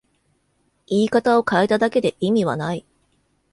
言い方を変えただけで意味はない